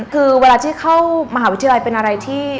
คือเวลาที่เข้ามหาวิทยาลัยเป็นอะไรที่